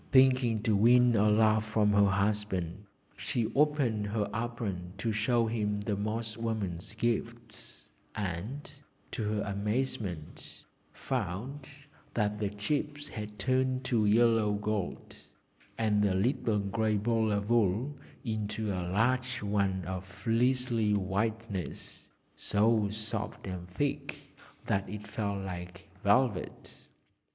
Thinking to win a laugh from her husband, she opened her apron to show him the Moss woman's gifts, and, to her amazement, found that the chips had turned to yellow gold, and the little grey ball of wool into a large one of fleecy whiteness, so soft and thick that it felt like velvet!